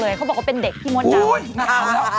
เดี๋ยวเขาบอกว่าเป็นเด็กพี่มดดำโอ้ยน่าเอาแล้ว